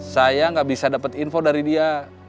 saya gak bisa dapet info dari dia